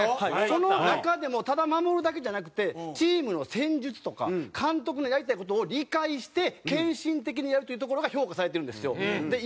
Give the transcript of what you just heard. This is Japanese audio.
その中でもただ守るだけじゃなくてチームの戦術とか監督のやりたい事を理解して献身的にやるというところが評価されてるんですよ。